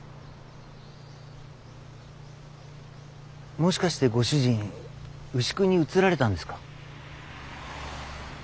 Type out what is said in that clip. もしかしてご主人牛久に移られたんですか？